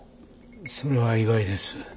それは意外です。